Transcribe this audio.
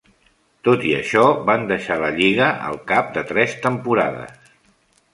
Tot i això, van deixar la lliga al cap de tres temporades.